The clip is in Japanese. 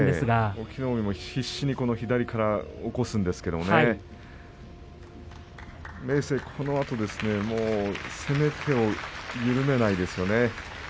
隠岐の海も必死に左から起こすんですけれども明生、攻め手を緩めないですよね。